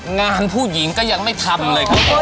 งานผู้หญิงก็ยังไม่ทำอะไรกัน